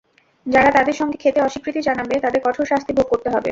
যাঁরা তাঁদের সঙ্গে খেতে অস্বীকৃতি জানাবে তাঁদের কঠোর শাস্তি ভোগ করতে হবে।